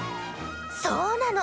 そうなの。